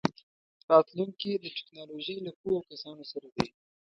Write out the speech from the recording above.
راتلونکی د ټیکنالوژۍ له پوهو کسانو سره دی.